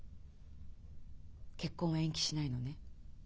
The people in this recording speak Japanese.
結婚は延期しないのね？